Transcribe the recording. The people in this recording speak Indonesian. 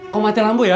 kau mati rambut ya